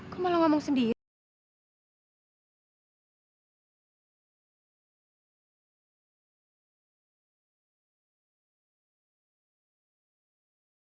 kok malah ngomong sendiri